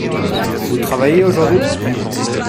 Vous travaillez aujourd’hui ?